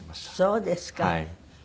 そうですか。